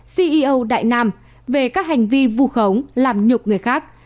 ceo đại nam về các hành vi vù khống làm nhục người khác